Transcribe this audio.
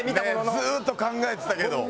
ずっと考えてたけど。